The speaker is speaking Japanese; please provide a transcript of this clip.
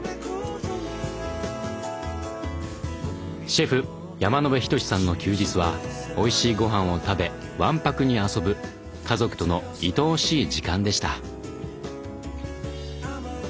シェフ山野辺仁さんの休日はおいしいごはんを食べわんぱくに遊ぶ家族とのいとおしい時間でした。